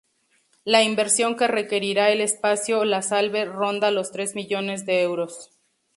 La inversión que requerirá el Espacio La Salve ronda los tres millones de euros.